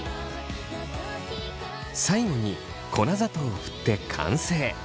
最後に粉砂糖を振って完成。